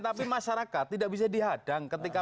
tapi masyarakat tidak bisa dihadang ketika